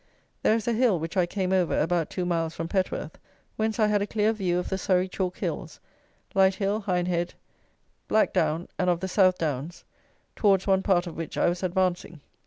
There is a hill which I came over, about two miles from Petworth, whence I had a clear view of the Surrey chalk hills, Leithhill, Hindhead, Blackdown, and of the South Downs, towards one part of which I was advancing.